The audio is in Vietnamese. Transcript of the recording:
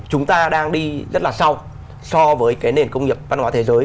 chúng ta đang đi rất là sau so với cái nền công nghiệp văn hóa thế giới